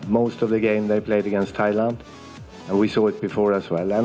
pertandingan terakhir mereka bertanding dengan thailand